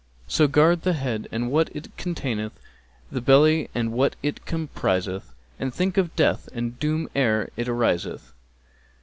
So guard the head and what it containeth and the belly and what it compriseth; and think of death and doom ere it ariseth.